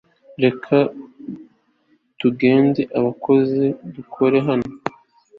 reka tugende! abakozi, dukora hano